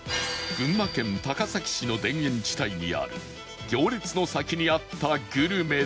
群馬県高崎市の田園地帯にある行列の先にあったグルメとは？